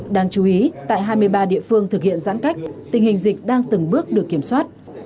đáng chú ý tại hai mươi ba địa phương thực hiện giãn cách tình hình dịch đang từng bước được kiểm soát